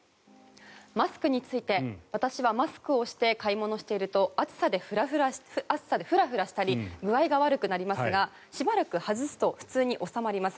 マスクについて私はマスクをして買い物していると暑さでフラフラしたり具合が悪くなりますがしばらく外すと普通に収まります